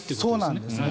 そうなんです。